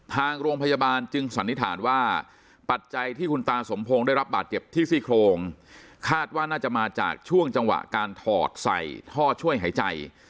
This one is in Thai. ทางโรงพยาบาลจึงสันนิษฐานว่าปัจจัยที่คุณตาสมพงศ์ได้รับบาดเจ็บที่ซี่โครงคาดว่าน่าจะมาจากช่วงจังหวะการถอดใส่ท่อช่วยหายใจ